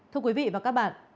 thưa quý vị và các bạn